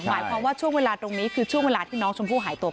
หมายความว่าช่วงเวลาตรงนี้คือช่วงเวลาที่น้องชมพู่หายตัวไป